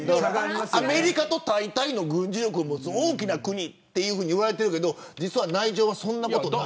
アメリカと対等の軍事力を持つ大きな国と言われているけど実は内情はそんなことない。